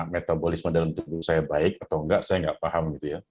metabolisme dalam tubuh saya baik atau enggak saya enggak paham